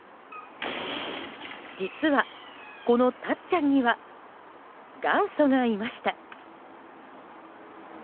実はこのたっちゃんには元祖がいました。